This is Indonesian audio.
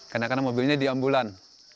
karena mobilnya diambulan